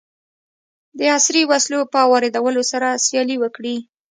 د عصري وسلو په واردولو سره سیالي وکړي.